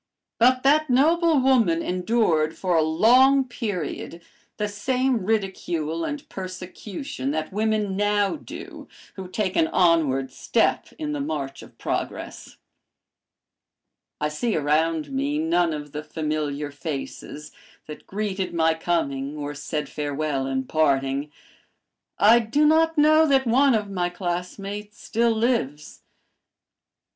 But that noble woman endured for a long period the same ridicule and persecution that women now do who take an onward step in the march of progress. "I see around me none of the familiar faces that greeted my coming or said farewell in parting. I do not know that one of my classmates still lives.